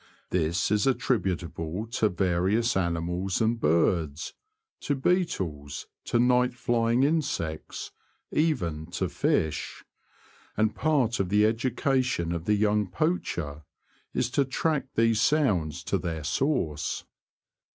This is attributable to various animals and birds, to beetles, to night flying insects, even to fish ; and part of the education of the young poacher is to track these sounds to their source.